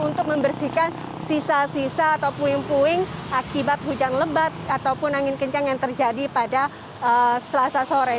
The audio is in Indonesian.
untuk membersihkan sisa sisa atau puing puing akibat hujan lebat ataupun angin kencang yang terjadi pada selasa sore